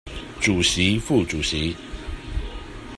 主席副主席